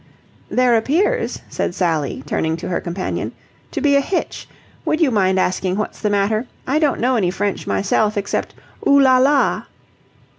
"There appears," said Sally, turning to her companion, "to be a hitch. Would you mind asking what's the matter? I don't know any French myself except 'oo la la!'"